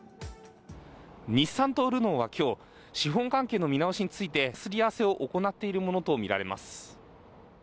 日産とルノーは今日資本関係の見直しについてすり合わせを行っているものとみられます。